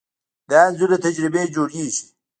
دا انځور له تجربې جوړېږي.